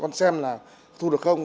con xem là thu được không